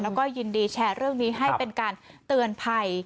แล้วก็ยินดีแชร์เรื่องนี้ให้เป็นการเตือนภัย